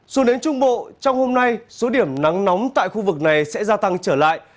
xuống đến trung bộ trong hôm nay số điểm nắng nóng tại khu vực này sẽ gia tăng trở lại